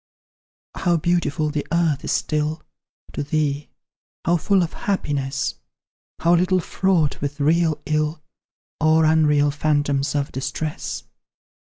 How beautiful the earth is still, To thee how full of happiness? How little fraught with real ill, Or unreal phantoms of distress!